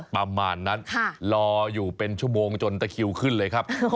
ประมาณนั้นรออยู่เป็นชั่วโมงจนตะคิวขึ้นเลยครับ